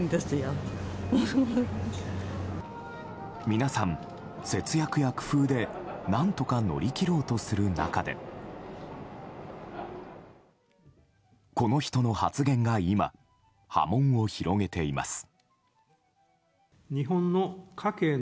皆さん、節約や工夫で何とか乗り切ろうとする中でこの人の発言が今波紋を広げています。